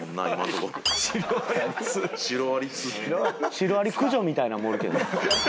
「シロアリ駆除」みたいなんもおるけどな。